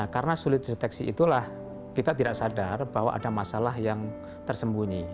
karena sulit dideteksi itulah kita tidak sadar bahwa ada masalah yang tersembunyi